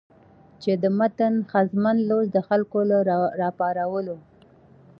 چې د متن ښځمن لوست د خلکو له راپارولو